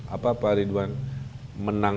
apa pak ridwan menang